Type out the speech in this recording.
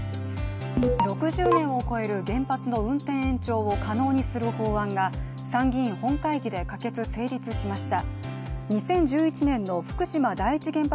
６０年を超える原発の運転延長を可能にする法案が参議院本会議で可決・成立しました。